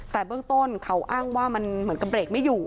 แต่เบื้องต้นเขาอ้างว่ามันเหมือนกับเบรกไม่อยู่